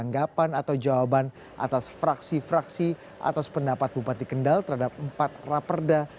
anggapan atau jawaban atas fraksi fraksi atas pendapat bupati kendal terhadap empat raperda